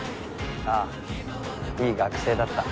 ああいい学生だった。